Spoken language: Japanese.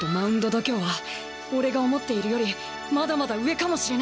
度胸は俺が思っているよりまだまだ上かもしれない！